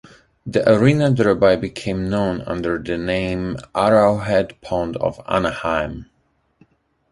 The arena thereby became known under the name “Arrowhead Pond of Anaheim”.